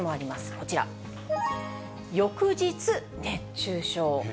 こちら、翌日熱中症。